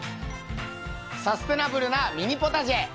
サステナブルなミニポタジェみんな。